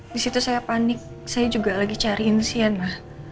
di situ saya panik saya juga lagi cariin sienna